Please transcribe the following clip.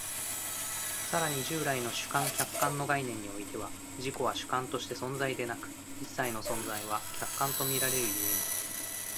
更に従来の主観・客観の概念においては、自己は主観として存在でなく、一切の存在は客観と見られる故に、